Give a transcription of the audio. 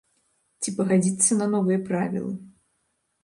Ці пагадзіцца на новыя правілы.